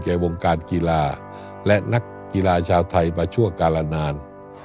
วงการกีฬาและนักกีฬาชาวไทยมาชั่วกาลนาน